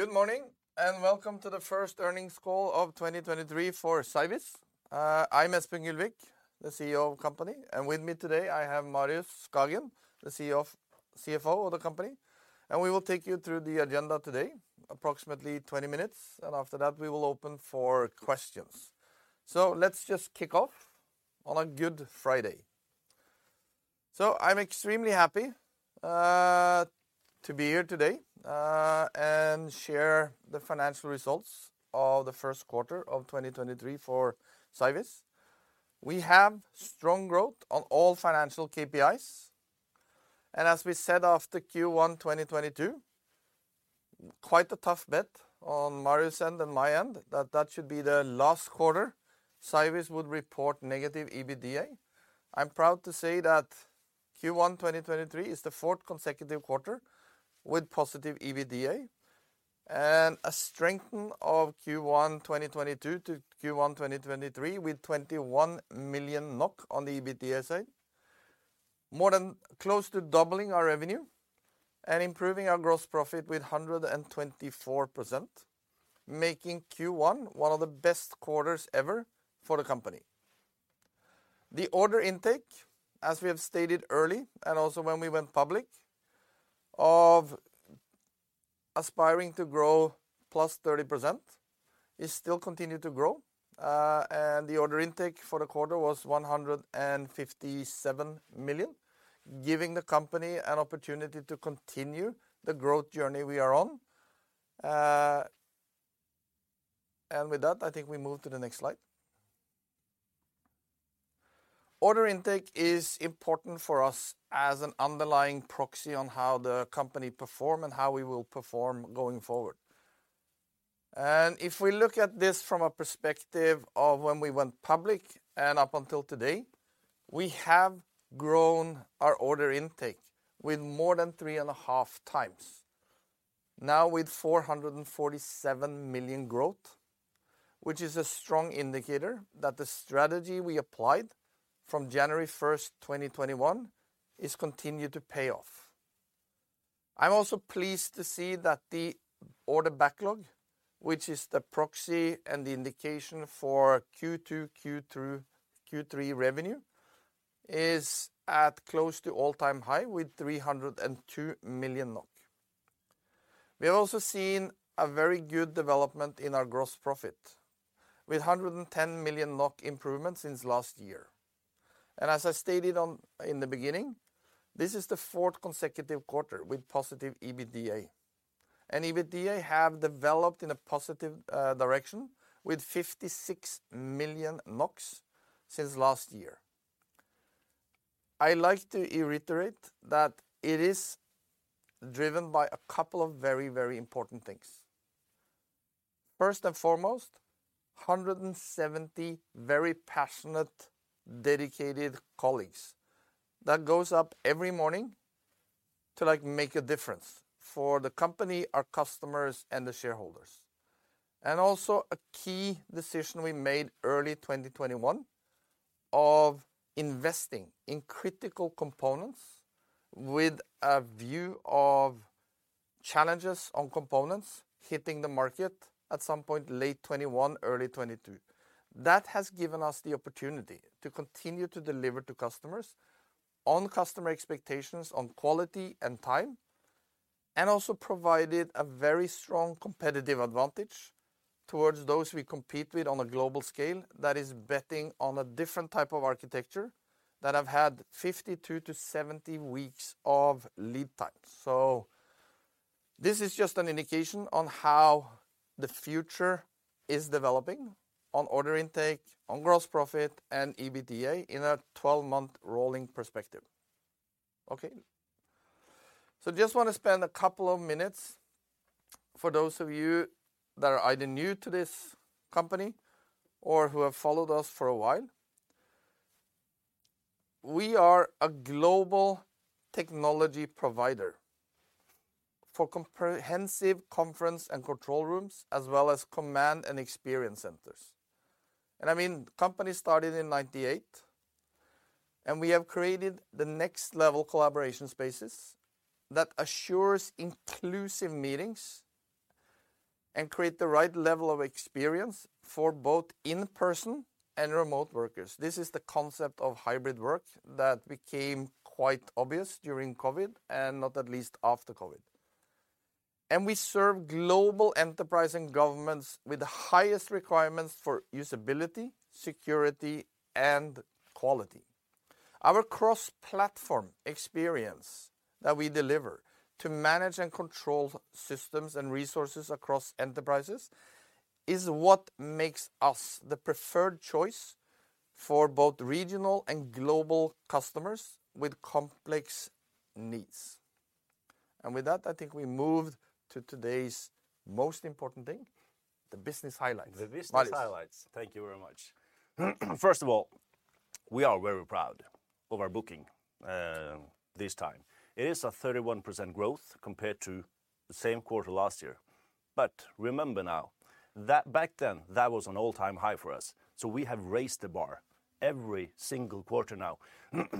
Good morning, and welcome to the first earnings call of 2023 for Cyviz. I'm Espen Gylvik, the CEO of the company, and with me today, I have Marius Skagen, the CFO of the company. We will take you through the agenda today, approximately 20 minutes, and after that, we will open for questions. Let's just kick off on a good Friday. I'm extremely happy to be here today and share the financial results of the Q1 of 2023 for Cyviz. We have strong growth on all financial KPIs. As we said after Q1 2022, quite a tough bet on Marius and on my end that that should be the last quarter Cyviz would report negative EBITDA. I'm proud to say that Q1 2023 is the fourth consecutive quarter with positive EBITDA, a strengthen of Q1 2022 to Q1 2023 with 21 million NOK on the EBITDA side. close to doubling our revenue and improving our gross profit with 124%, making Q1 one of the best quarters ever for the company. The order intake, as we have stated early, also when we went public, of aspiring to grow +30%, is still continuing to grow. The order intake for the quarter was 157 million, giving the company an opportunity to continue the growth journey we are on. With that, I think we move to the next slide. Order intake is important for us as an underlying proxy on how the company perform and how we will perform going forward. If we look at this from a perspective of when we went public and up until today, we have grown our order intake with more than 3.5 times. Now with 447 million growth, which is a strong indicator that the strategy we applied from January 1st, 2021, is continue to pay off. I am also pleased to see that the order backlog, which is the proxy and the indication for Q2, Q3 revenue, is at close to all-time high with 302 million NOK. We have also seen a very good development in our gross profit with 110 million NOK improvement since last year. As I stated in the beginning, this is the fourth consecutive quarter with positive EBITDA. EBITDA have developed in a positive direction with 56 million NOK since last year. I like to reiterate that it is driven by a couple of very, very important things. First and foremost, 170 very passionate, dedicated colleagues that goes up every morning to, like, make a difference for the company, our customers, and the shareholders. A key decision we made early 2021 of investing in critical components with a view of challenges on components hitting the market at some point late 2021, early 2022. That has given us the opportunity to continue to deliver to customers on customer expectations on quality and time, and also provided a very strong competitive advantage towards those we compete with on a global scale that is betting on a different type of architecture that have had 52-70 weeks of lead time. This is just an indication on how the future is developing on order intake, on gross profit, and EBITDA in a 12-month rolling perspective. Okay. Just wanna spend a couple of minutes for those of you that are either new to this company or who have followed us for a while. We are a global technology provider for comprehensive conference and control rooms, as well as command and experience centers. I mean, the company started in 1998, and we have created the next level collaboration spaces that assures inclusive meetings and create the right level of experience for both in-person and remote workers. This is the concept of hybrid work that became quite obvious during COVID, and not at least after COVID. We serve global enterprise and governments with the highest requirements for usability, security, and quality. Our cross-platform experience that we deliver to manage and control systems and resources across enterprises is what makes us the preferred choice for both regional and global customers with complex needs. With that, I think we move to today's most important thing, the business highlights. Marius. The business highlights. Thank you very much. First of all, we are very proud of our booking this time. It is a 31% growth compared to the same quarter last year. Remember now that back then, that was an all-time high for us. We have raised the bar every single quarter now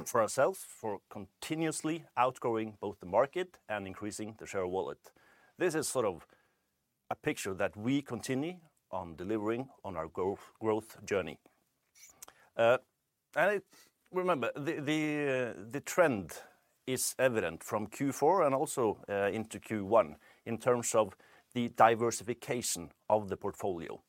for ourselves, for continuously outgrowing both the market and increasing the share of wallet. This is sort of a picture that we continue on delivering on our growth journey. Remember, the, the trend is evident from Q4 and also into Q1 in terms of the diversification of the portfolio.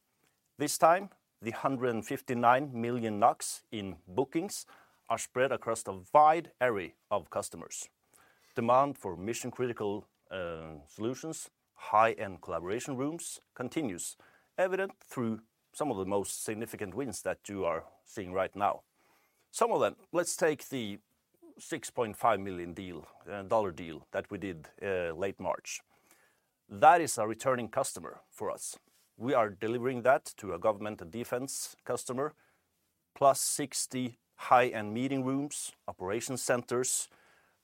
This time, the 159 million NOK in bookings are spread across a wide array of customers. Demand for mission-critical solutions, high-end collaboration rooms continues, evident through some of the most significant wins that you are seeing right now. Some of them, let's take the $6.5 million dollar deal that we did late March. That is a returning customer for us. We are delivering that to a government and defense customer, plus 60 high-end meeting rooms, operation centers.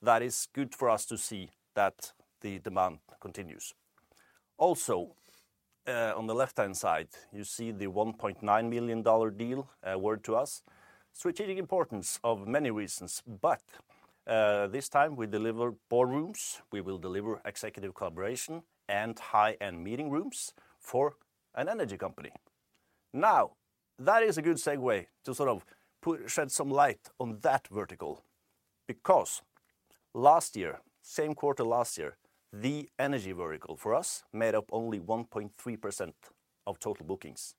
That is good for us to see that the demand continues. Also, on the left-hand side, you see the $1.9 million dollar deal awarded to us. Strategic importance of many reasons, but this time we deliver boardrooms, we will deliver executive collaboration, and high-end meeting rooms for an energy company. That is a good segue to sort of shed some light on that vertical, because last year, same quarter last year, the energy vertical for us made up only 1.3% of total bookings.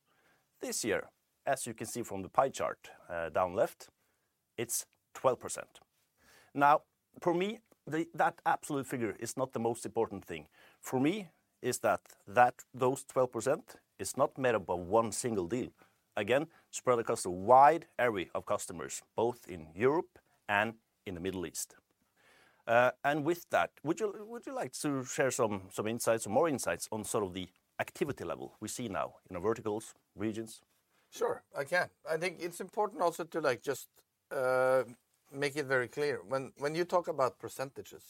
This year, as you can see from the pie chart, down left, it's 12%. For me, that absolute figure is not the most important thing. For me, is that those 12% is not made up of one single deal. Again, spread across a wide array of customers, both in Europe and in the Middle East. With that, would you like to share some insights, more insights on sort of the activity level we see now in the verticals, regions? Sure, I can. I think it's important also to, like, just make it very clear. When you talk about percentages,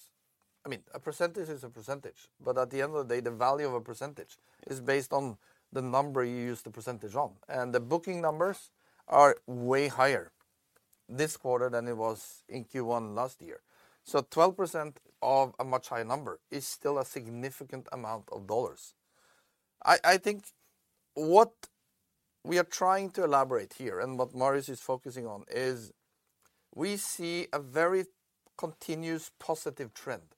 I mean, a percentage is a percentage, but at the end of the day, the value of a percentage is based on the number you use the percentage on. The booking numbers are way higher this quarter than it was in Q1 last year. 12% of a much higher number is still a significant amount of dollars. I think what we are trying to elaborate here, and what Marius is focusing on, is we see a very continuous positive trend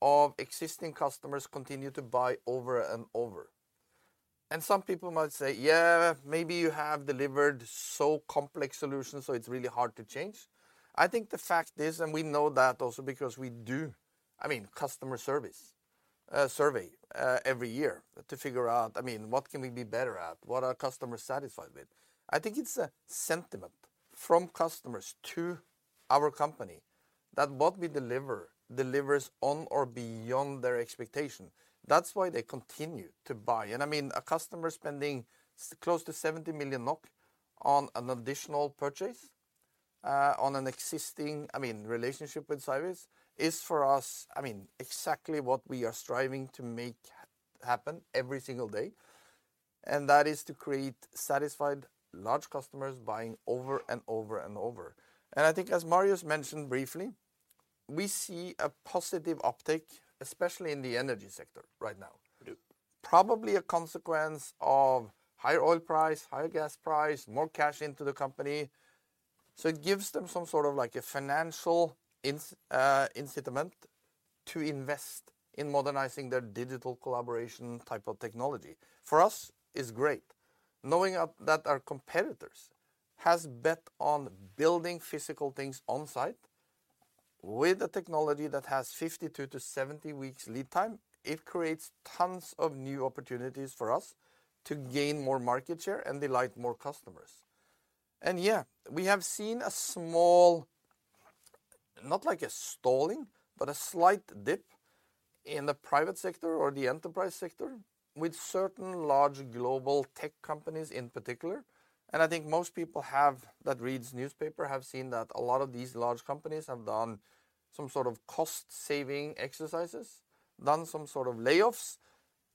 of existing customers continue to buy over and over. Some people might say, "Yeah, maybe you have delivered so complex solutions, so it's really hard to change." I think the fact is, and we know that also because we do, I mean, customer service survey every year to figure out, I mean, what can we be better at? What are customers satisfied with? I think it's a sentiment from customers to our company that what we deliver delivers on or beyond their expectation. That's why they continue to buy. I mean, a customer spending close to 70 million NOK on an additional purchase on an existing, I mean, relationship with Cyviz is for us, I mean, exactly what we are striving to make happen every single day. That is to create satisfied large customers buying over and over and over. I think as Marius mentioned briefly, we see a positive uptick, especially in the energy sector right now. We do. Probably a consequence of higher oil price, higher gas price, more cash into the company. It gives them some sort of like a financial incitement to invest in modernizing their digital collaboration type of technology. For us, it's great. Knowing up that our competitors has bet on building physical things on site with a technology that has 52-70 weeks lead time, it creates tons of new opportunities for us to gain more market share and delight more customers. Yeah, we have seen a small, not like a stalling, but a slight dip in the private sector or the enterprise sector with certain large global tech companies in particular. I think most people have, that reads newspaper, have seen that a lot of these large companies have done some sort of cost saving exercises, done some sort of layoffs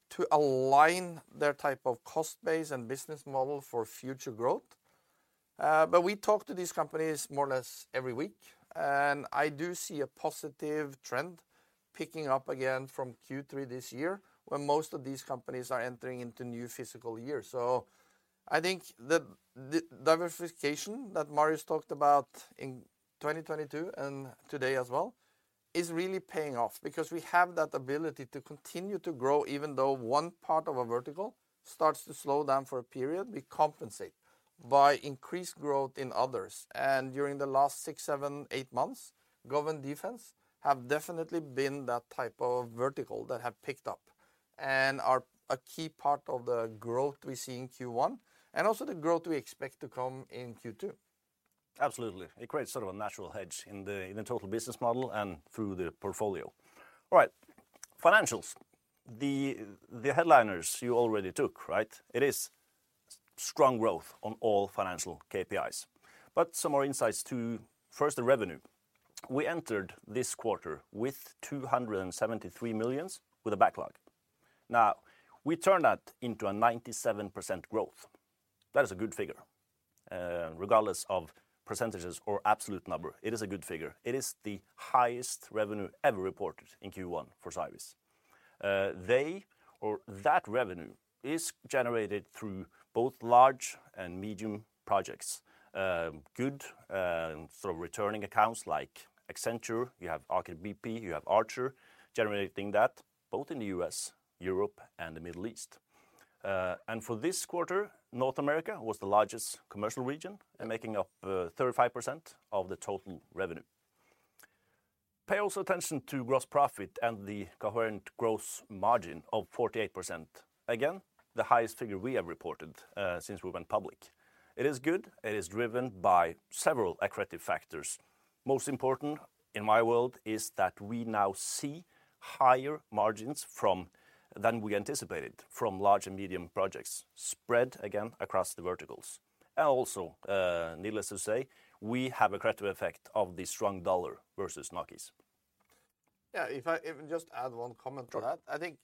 to align their type of cost base and business model for future growth. We talk to these companies more or less every week, and I do see a positive trend picking up again from Q3 this year, when most of these companies are entering into new physical year. I think the diversification that Marius talked about in 2022 and today as well is really paying off because we have that ability to continue to grow even though one part of a vertical starts to slow down for a period, we compensate by increased growth in others. During the last six, seven, eight months, government defense have definitely been that type of vertical that have picked up and are a key part of the growth we see in Q1, and also the growth we expect to come in Q2. Absolutely. It creates sort of a natural hedge in the total business model and through the portfolio. All right, financials. The headliners you already took, right? Strong growth on all financial KPIs. Some more insights to first the revenue. We entered this quarter with 273 million with a backlog. We turned that into a 97% growth. That is a good figure. Regardless of percentages or absolute number, it is a good figure. It is the highest revenue ever reported in Q1 for Cyviz. That revenue is generated through both large and medium projects. Good, sort of returning accounts like Accenture, you have Aker BP, you have Archaea generating that both in the U.S., Europe and the Middle East. For this quarter, North America was the largest commercial region and making up 35% of the total revenue. Pay also attention to gross profit and the coherent gross margin of 48%. Again, the highest figure we have reported since we went public. It is good, it is driven by several accretive factors. Most important in my world is that we now see higher margins than we anticipated from large and medium projects spread again across the verticals. Also, needless to say, we have accretive effect of the strong dollar versus NOK. If I even just add one comment to that. Sure. I think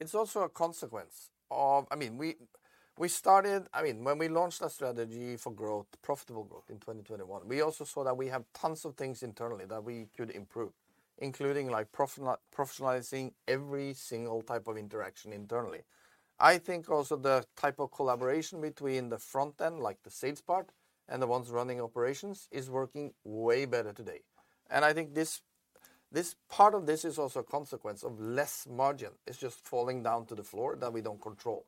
it's also a consequence of. I mean, we started. I mean, when we launched our strategy for growth, profitable growth in 2021, we also saw that we have tons of things internally that we could improve, including like professionalizing every single type of interaction internally. I think also the type of collaboration between the front end, like the sales part, and the ones running operations, is working way better today. I think this part of this is also a consequence of less margin. It's just falling down to the floor that we don't control.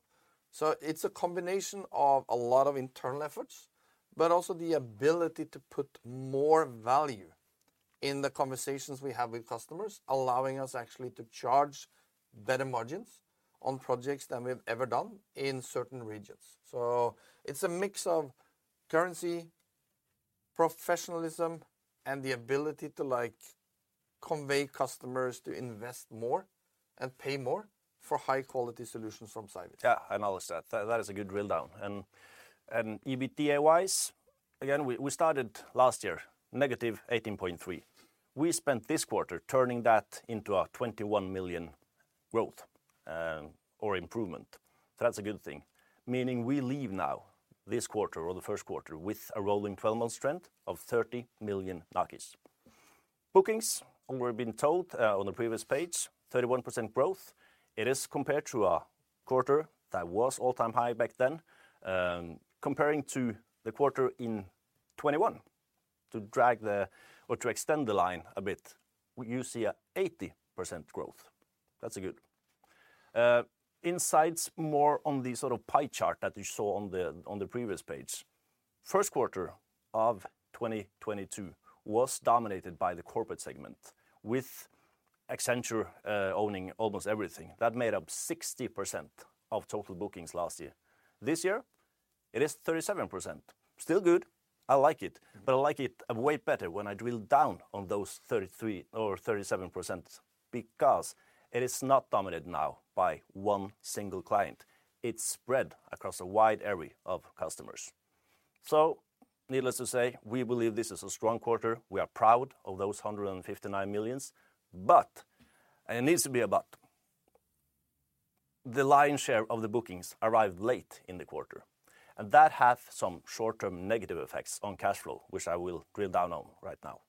It's a combination of a lot of internal efforts, but also the ability to put more value in the conversations we have with customers, allowing us actually to charge better margins on projects than we've ever done in certain regions. It's a mix of currency, professionalism, and the ability to, like, convey customers to invest more and pay more for high-quality solutions from Cyviz. Yeah, I know that. That is a good drill down. EBITDA-wise, again, we started last year -18.3. We spent this quarter turning that into a 21 million growth or improvement. That's a good thing. Meaning we leave now, this quarter or the Q1, with a rolling twelve-month trend of 30 million. Bookings, we've been told, on the previous page, 31% growth. It is compared to a quarter that was all-time high back then. Comparing to the quarter in 2021 to extend the line a bit, you see a 80% growth. That's a good. Insights more on the sort of pie chart that you saw on the previous page. Q1 of 2022 was dominated by the corporate segment, with Accenture owning almost everything. That made up 60% of total bookings last year. This year it is 37%. Still good, I like it, but I like it way better when I drill down on those 33% or 37% because it is not dominated now by one single client. It's spread across a wide array of customers. Needless to say, we believe this is a strong quarter. We are proud of those 159 million, but, and it needs to be a but, the lion's share of the bookings arrived late in the quarter, and that had some short-term negative effects on cash flow, which I will drill down on right now.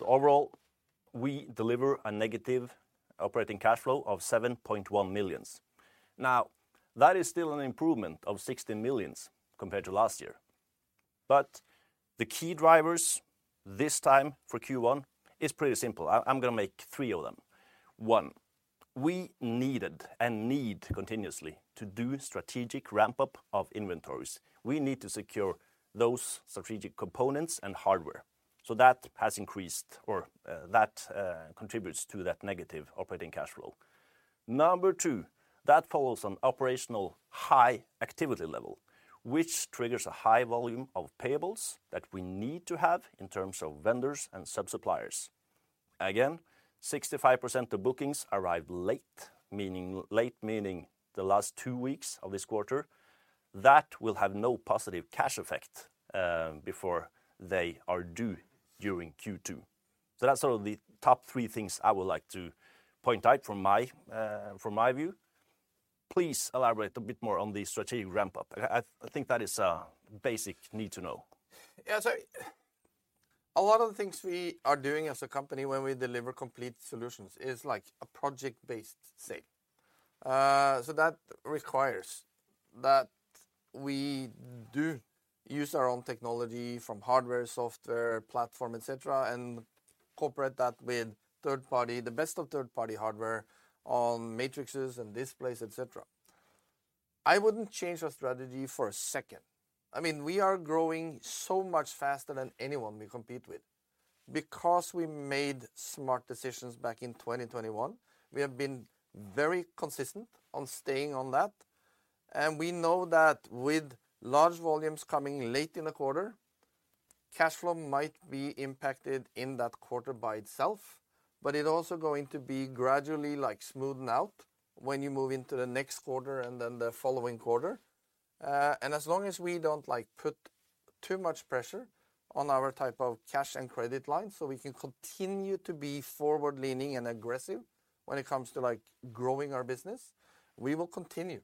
Overall, we deliver a negative operating cash flow of 7.1 million. Now, that is still an improvement of 60 million compared to last year. The key drivers this time for Q1 is pretty simple. I'm gonna make 3 of them. One, we needed and need continuously to do strategic ramp-up of inventories. We need to secure those strategic components and hardware. That has increased or that contributes to that negative operating cash flow. Number 2, that follows an operational high activity level, which triggers a high volume of payables that we need to have in terms of vendors and sub-suppliers. 65% of bookings arrive late, meaning, late meaning the last 2 weeks of this quarter. That will have no positive cash effect before they are due during Q2. That's sort of the top 3 things I would like to point out from my from my view. Please elaborate a bit more on the strategic ramp-up. I think that is a basic need to know. A lot of the things we are doing as a company when we deliver complete solutions is like a project-based sale. That requires that we do use our own technology from hardware, software, platform, et cetera, and corporate that with third-party, the best of third-party hardware on matrices and displays, et cetera. I wouldn't change our strategy for a second. I mean, we are growing so much faster than anyone we compete with. We made smart decisions back in 2021, we have been very consistent on staying on that. We know that with large volumes coming late in the quarter. cash flow might be impacted in that quarter by itself, but it also going to be gradually like smoothing out when you move into the next quarter and then the following quarter. As long as we don't like, put too much pressure on our type of cash and credit line, so we can continue to be forward-leaning and aggressive when it comes to like growing our business, we will continue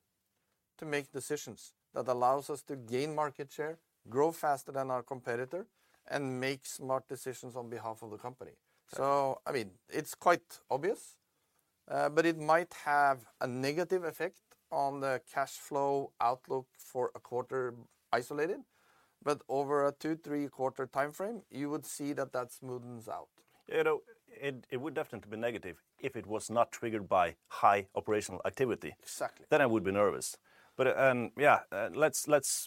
to make decisions that allows us to gain market share, grow faster than our competitor, and make smart decisions on behalf of the company. I mean, it's quite obvious, but it might have a negative effect on the cash flow outlook for a quarter isolated. Over a 2, 3-quarter timeframe, you would see that that smoothens out. You know, it would definitely be negative if it was not triggered by high operational activity. Exactly. I would be nervous.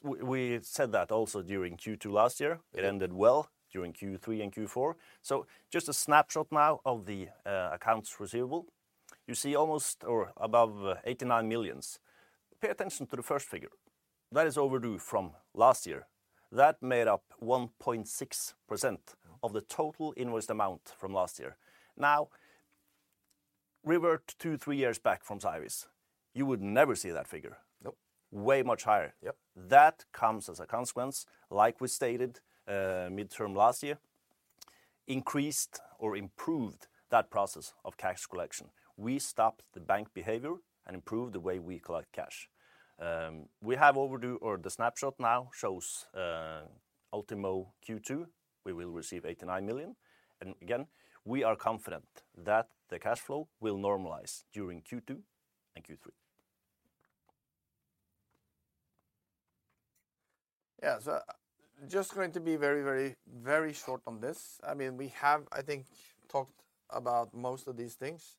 We said that also during Q2 last year. Yeah. It ended well during Q3 and Q4. Just a snapshot now of the accounts receivable, you see almost or above 89 million. Pay attention to the first figure, that is overdue from last year. That made up 1.6%. Mm. of the total invoiced amount from last year. Now, revert two, three years back from Cyviz, you would never see that figure. Nope. Way much higher. Yep. That comes as a consequence, like we stated, midterm last year, increased or improved that process of cash collection. We stopped the bank behavior and improved the way we collect cash. We have overdue or the snapshot now shows, ultimo Q2, we will receive 89 million. Again, we are confident that the cash flow will normalize during Q2 and Q3. Yeah. Just going to be very, very, very short on this. I mean, we have, I think, talked about most of these things.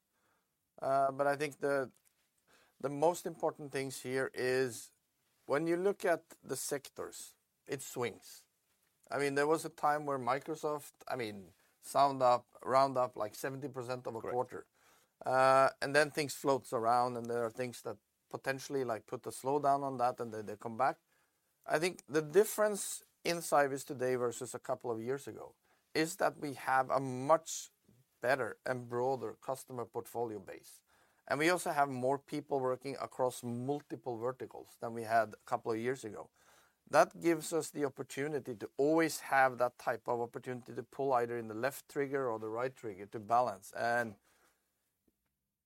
I think the most important things here is when you look at the sectors, it swings. I mean, there was a time where Microsoft, I mean, round up like 70% of a quarter. Correct. Things floats around, and there are things that potentially like put the slowdown on that, and then they come back. I think the difference in Cyviz today versus a couple of years ago is that we have a much better and broader customer portfolio base. We also have more people working across multiple verticals than we had a couple of years ago. That gives us the opportunity to always have that type of opportunity to pull either in the left trigger or the right trigger to balance.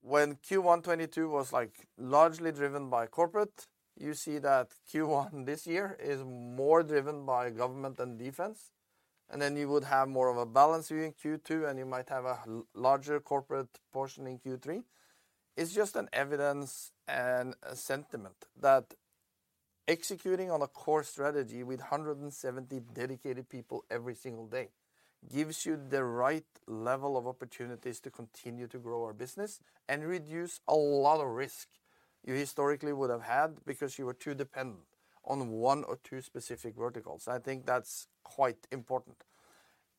When Q1 2022 was like largely driven by corporate, you see that Q1 this year is more driven by government and defense. You would have more of a balance during Q2, and you might have a larger corporate portion in Q3. It's just an evidence and a sentiment that executing on a core strategy with 170 dedicated people every single day gives you the right level of opportunities to continue to grow our business and reduce a lot of risk you historically would have had because you were too dependent on one or two specific verticals. I think that's quite important.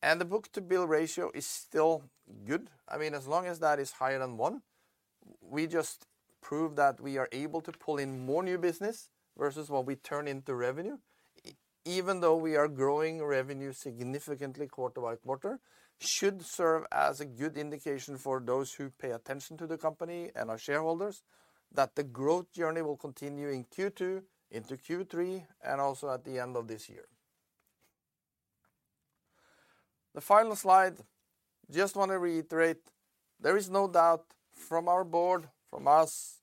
The book-to-bill ratio is still good. I mean, as long as that is higher than 1, we just prove that we are able to pull in more new business versus what we turn into revenue. Even though we are growing revenue significantly quarter-by-quarter, should serve as a good indication for those who pay attention to the company and our shareholders that the growth journey will continue in Q2, into Q3, and also at the end of this year. The final slide, just wanna reiterate, there is no doubt from our board, from us,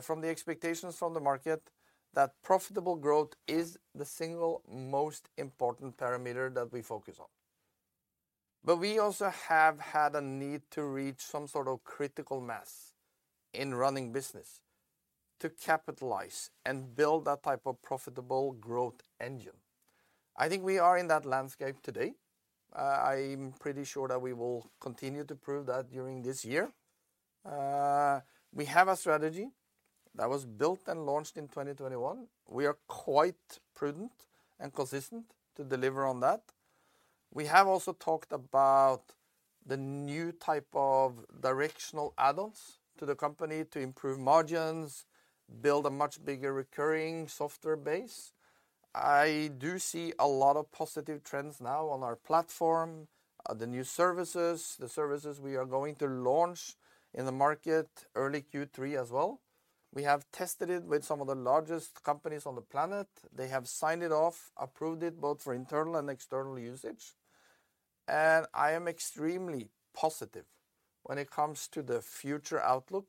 from the expectations from the market, that profitable growth is the single most important parameter that we focus on. We also have had a need to reach some sort of critical mass in running business to capitalize and build that type of profitable growth engine. I think we are in that landscape today. I'm pretty sure that we will continue to prove that during this year. We have a strategy that was built and launched in 2021. We are quite prudent and consistent to deliver on that. We have also talked about the new type of directional add-ons to the company to improve margins, build a much bigger recurring software base. I do see a lot of positive trends now on our platform, the new services, the services we are going to launch in the market early Q3 as well. We have tested it with some of the largest companies on the planet. They have signed it off, approved it both for internal and external usage. I am extremely positive when it comes to the future outlook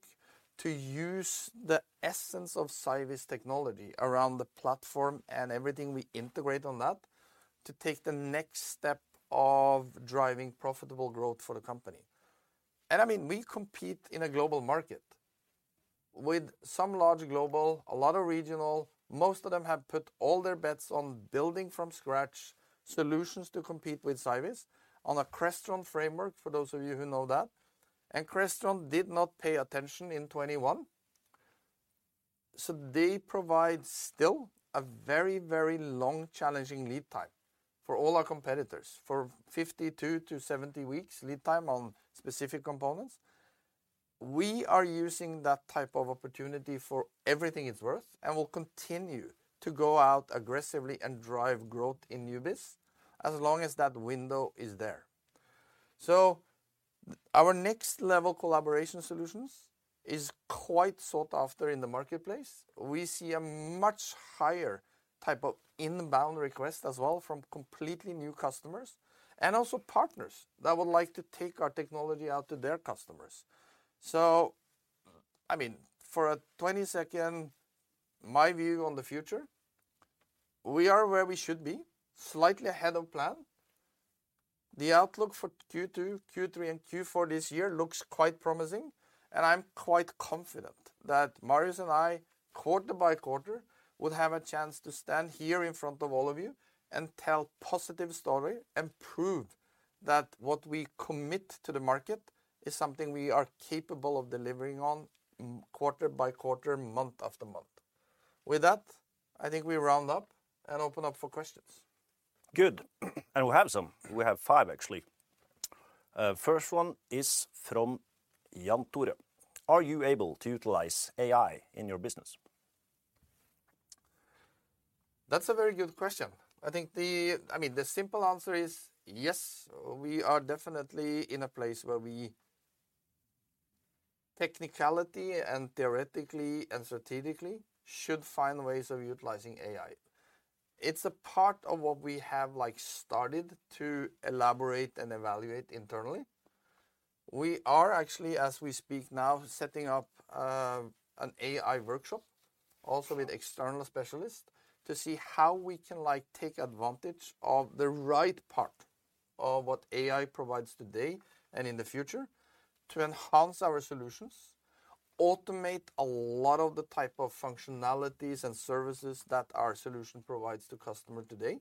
to use the essence of Cyviz technology around the platform and everything we integrate on that to take the next step of driving profitable growth for the company. I mean, we compete in a global market with some large global, a lot of regional. Most of them have put all their bets on building from scratch solutions to compete with Cyviz on a Crestron framework, for those of you who know that. Crestron did not pay attention in 2021. They provide still a very, very long challenging lead time for all our competitors, for 52-70 weeks lead time on specific components. We are using that type of opportunity for everything it's worth, and we'll continue to go out aggressively and drive growth in new biz as long as that window is there. Our next level collaboration solutions is quite sought after in the marketplace. We see a much higher type of inbound request as well from completely new customers and also partners that would like to take our technology out to their customers. I mean, for a 20th second my view on the future, we are where we should be, slightly ahead of plan. The outlook for Q2, Q3, and Q4 this year looks quite promising, and I'm quite confident that Marius and I, quarter-by-quarter, will have a chance to stand here in front of all of you and tell positive story and prove that what we commit to the market is something we are capable of delivering on quarter-by-quarter, month-after- month. With that, I think we round up and open up for questions. Good. We have some. We have five actually. First one is from Jan Tore. Are you able to utilize AI in your business? That's a very good question. I mean, the simple answer is yes. We are definitely in a place where we technicality and theoretically and strategically should find ways of utilizing AI. It's a part of what we have, like, started to elaborate and evaluate internally. We are actually, as we speak now, setting up an AI workshop also with external specialists to see how we can, like, take advantage of the right part of what AI provides today and in the future to enhance our solutions, automate a lot of the type of functionalities and services that our solution provides to customer today,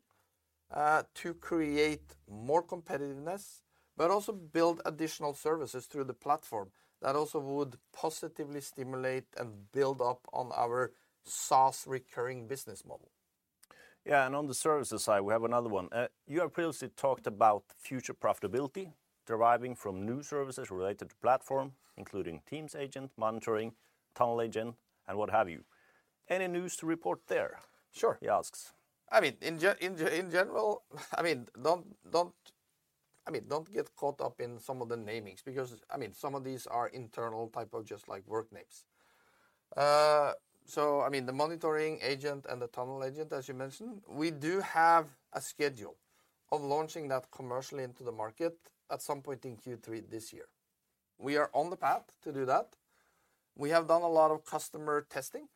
to create more competitiveness, but also build additional services through the platform that also would positively stimulate and build up on our SaaS recurring business model. Yeah. On the services side, we have another one. You have previously talked about future profitability deriving from new services related to platform, including Teams agent, monitoring, tunnel agent, and what have you. Any news to report there? Sure. He asks. I mean, in general, I mean, don't get caught up in some of the namings because, I mean, some of these are internal type of just, like, work names. I mean, the monitoring agent and the tunnel agent, as you mentioned, we do have a schedule of launching that commercially into the market at some point in Q3 this year. We are on the path to do that. We have done a lot of customer testing.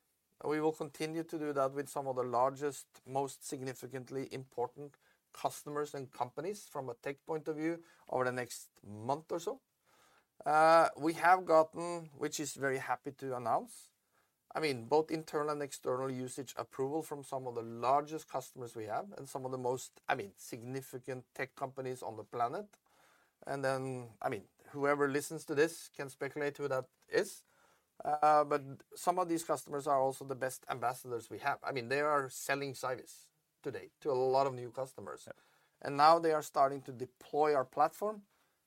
We will continue to do that with some of the largest, most significantly important customers and companies from a tech point of view over the next month or so. We have gotten, which is very happy to announce, I mean, both internal and external usage approval from some of the largest customers we have and some of the most, I mean, significant tech companies on the planet. Then, I mean, whoever listens to this can speculate who that is. Some of these customers are also the best ambassadors we have. I mean, they are selling Cyviz today to a lot of new customers. Yeah. Now they are starting to deploy our platform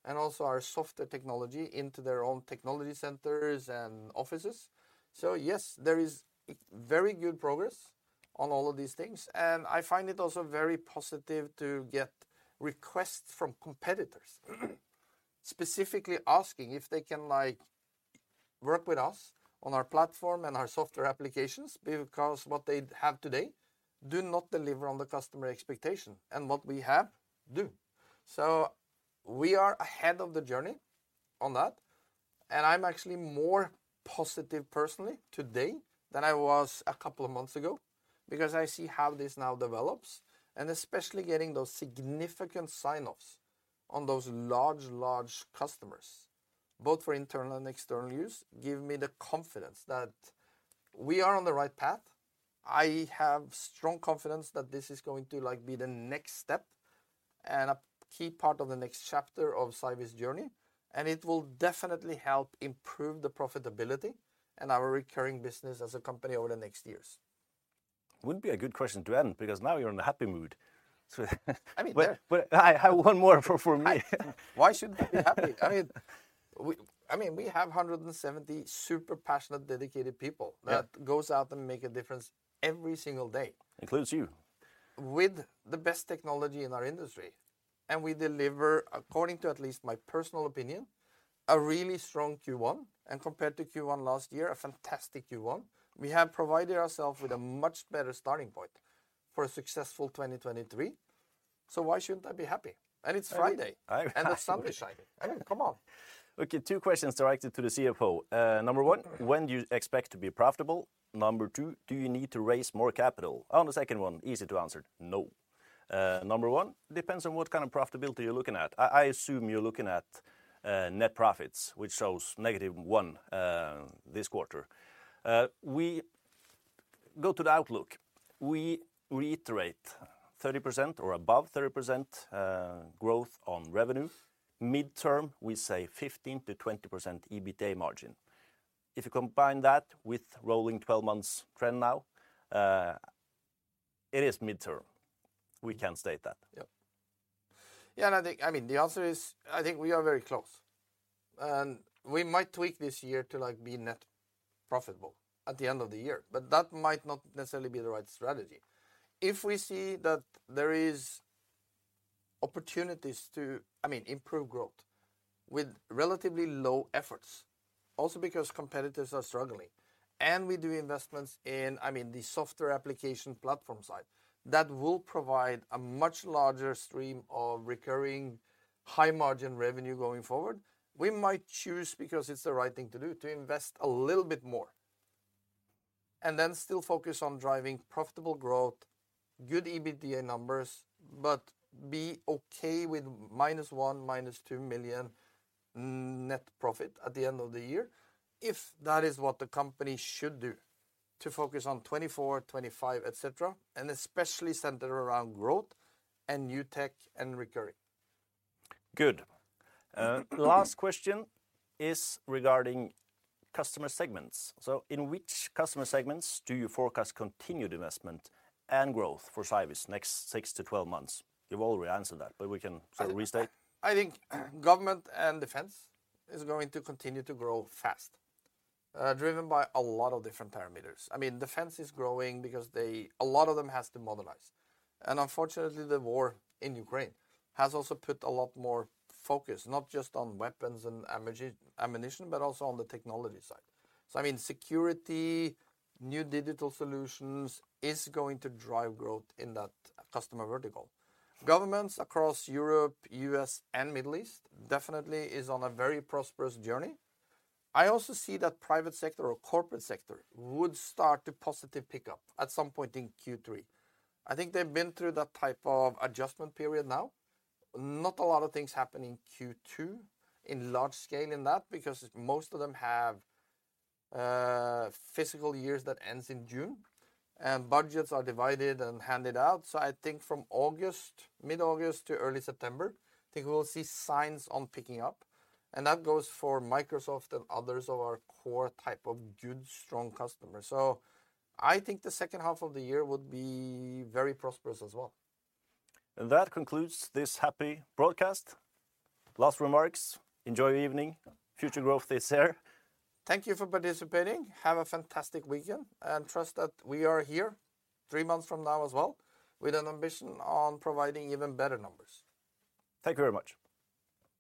and also our software technology into their own technology centers and offices. Yes, there is very good progress on all of these things, and I find it also very positive to get requests from competitors specifically asking if they can, like, work with us on our platform and our software applications because what they have today do not deliver on the customer expectation, and what we have do. We are ahead of the journey on that, and I'm actually more positive personally today than I was a couple of months ago because I see how this now develops, and especially getting those significant sign-offs on those large customers, both for internal and external use, give me the confidence that we are on the right path. I have strong confidence that this is going to, like, be the next step and a key part of the next chapter of Cyviz journey. It will definitely help improve the profitability and our recurring business as a company over the next years. Wouldn't be a good question to end because now you're in a happy mood. I mean, yeah. I have one more for me. Why shouldn't I be happy? I mean, we, I mean, we have 170 super passionate, dedicated people. Yeah ...that goes out and make a difference every single day. Includes you. With the best technology in our industry, and we deliver, according to at least my personal opinion, a really strong Q1, and compared to Q1 last year, a fantastic Q1. We have provided ourself with a much better starting point for a successful 2023. Why shouldn't I be happy? It's Friday. I... A sunny Friday. I mean, come on. Okay, two questions directed to the CFO. Number one, when do you expect to be profitable? Number two, do you need to raise more capital? On the second one, easy to answer. No. Number one, depends on what kind of profitability you're looking at. I assume you're looking at net profits, which shows -1 this quarter. We go to the outlook. We reiterate 30% or above 30% growth on revenue. Midterm, we say 15%-20% EBITDA margin. If you combine that with rolling 12 months trend now, it is midterm. We can state that. Yeah. I think, I mean, the answer is, I think we are very close, and we might tweak this year to, like, be net profitable at the end of the year. That might not necessarily be the right strategy. If we see that there is opportunities to, I mean, improve growth with relatively low efforts, also because competitors are struggling, and we do investments in, I mean, the software application platform side, that will provide a much larger stream of recurring high-margin revenue going forward, we might choose, because it's the right thing to do, to invest a little bit more. Still focus on driving profitable growth, good EBITDA numbers, but be okay with minus 1 million, minus 2 million net profit at the end of the year if that is what the company should do to focus on 2024, 2025, et cetera, and especially centered around growth and new tech and recurring. Good. Last question is regarding customer segments. In which customer segments do you forecast continued investment and growth for Cyviz next 6-12 months? You've already answered that, we can sort of restate. I think government and defense is going to continue to grow fast, driven by a lot of different parameters. I mean, defense is growing because a lot of them has to modernize. Unfortunately, the war in Ukraine has also put a lot more focus, not just on weapons and ammunition, but also on the technology side. I mean, security, new digital solutions is going to drive growth in that customer vertical. Governments across Europe, U.S., and Middle East definitely is on a very prosperous journey. I also see that private sector or corporate sector would start to positive pick-up at some point in Q3. I think they've been through that type of adjustment period now. Not a lot of things happen in Q2 in large scale in that because most of them have physical years that ends in June, and budgets are divided and handed out. I think from August, mid-August to early September, I think we will see signs on picking up, and that goes for Microsoft and others of our core type of good, strong customers. I think the second half of the year would be very prosperous as well. That concludes this happy broadcast. Last remarks, enjoy your evening. Future growth is here. Thank you for participating. Have a fantastic weekend, and trust that we are here three months from now as well with an ambition on providing even better numbers. Thank you very much.